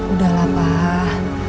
udah lah pak